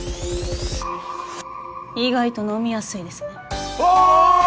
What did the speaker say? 意外と飲みやすいですねおお！